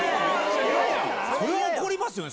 それは怒りますよね？